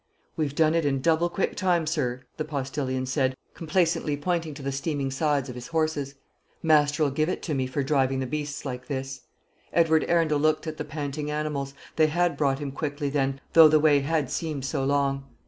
"We've done it in double quick time, sir," the postillion said, complacently pointing to the steaming sides of his horses. "Master'll gie it to me for driving the beasts like this." Edward Arundel looked at the panting animals. They had brought him quickly, then, though the way had seemed so long.